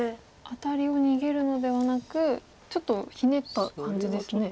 アタリを逃げるのではなくちょっとひねった感じですね。